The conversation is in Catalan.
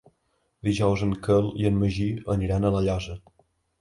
Dijous en Quel i en Magí aniran a La Llosa.